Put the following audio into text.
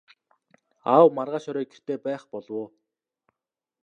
Аав маргааш орой гэртээ байх болов уу?